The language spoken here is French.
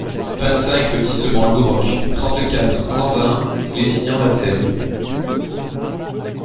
vingt-cinq lotissement Lou Roc, trente-quatre, cent vingt, Lézignan-la-Cèbe